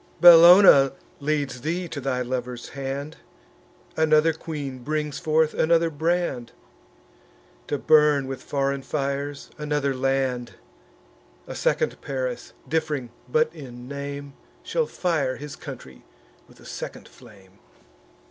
Bellona leads thee to thy lover's hand; Another queen brings forth another brand, To burn with foreign fires another land! A second Paris, diff'ring but in name, Shall fire his country with a second flame."